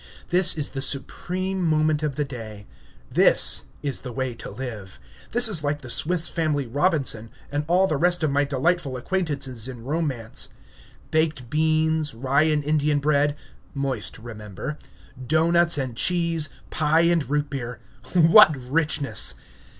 This is the supreme moment of the day. This is the way to live; this is like the Swiss Family Robinson, and all the rest of my delightful acquaintances in romance. Baked beans, rye and indian bread (moist, remember), doughnuts and cheese, pie, and root beer. What richness!